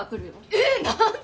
えっ何と！